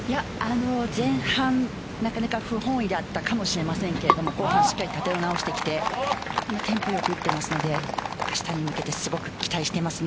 前半、なかなか不本意だったかもしれませんが後半しっかり立て直してきてテンポよく打ってますので明日に向けてすごく期待しています。